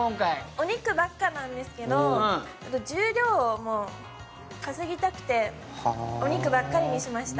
お肉ばっかなんですけど重量を稼ぎたくてお肉ばっかりにしました。